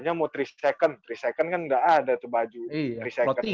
nyamu tiga seconds tiga seconds kan nggak ada tuh baju tiga seconds